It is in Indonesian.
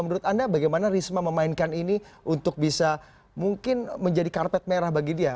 menurut anda bagaimana risma memainkan ini untuk bisa mungkin menjadi karpet merah bagi dia